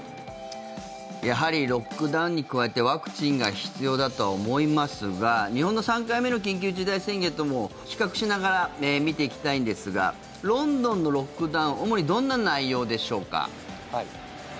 やはりロックダウンに加えてワクチンが必要だとは思いますが日本の３回目の緊急事態宣言とも比較しながら見ていきたいんですがロンドンのロックダウン主にどんな内容でしょうか？